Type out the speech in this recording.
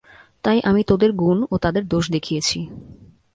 তাই আমি তোদের গুণ ও তাদের দোষ তাদের দেখিয়েছি।